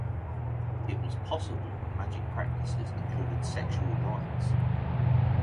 It was possible that the magic practices included sexual rites.